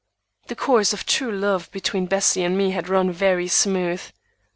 The course of true love between Bessie and me had run very smooth.